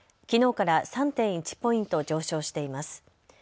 きのうから３．１ポイント上昇しています。